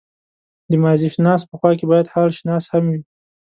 د ماضيشناس په خوا کې بايد حالشناس هم وي.